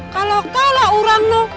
kalau kaulah orang lu